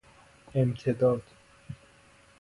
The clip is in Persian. امتداد